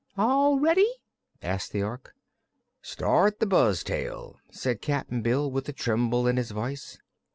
"All ready?" asked the Ork. "Start the buzz tail," said Cap'n Bill, with a tremble in his voice.